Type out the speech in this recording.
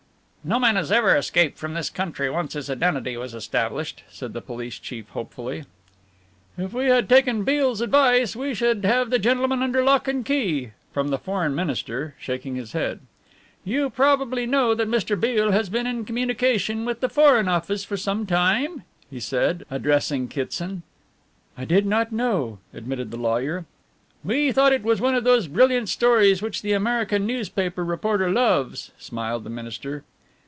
"No man has ever escaped from this country once his identity was established," said the police chief hopefully. "If we had taken Beale's advice we should have the gentleman under lock and key," said the Foreign Minister, shaking his head. "You probably know that Mr. Beale has been in communication with the Foreign Office for some time?" he said, addressing Kitson. "I did not know," admitted the lawyer. "We thought it was one of those brilliant stories which the American newspaper reporter loves," smiled the minister.